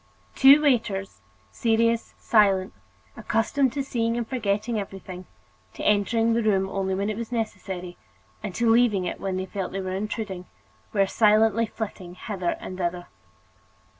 Two waiters, serious, silent, accustomed to seeing and forgetting everything, to entering the room only when it was necessary and to leaving it when they felt they were intruding, were silently flitting hither and thither.